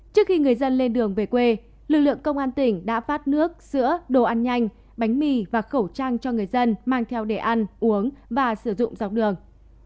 trước khi người dân lên đường về quê lực lượng công an tỉnh đã phát nước sữa đồ ăn nhanh bánh mì và khẩu trang cho người dân mang theo để ăn uống và sử dụng dọc đường